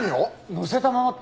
乗せたままって。